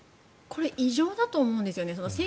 これ、異常だと思うんですよね。